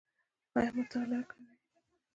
ایا مطالعه کوئ؟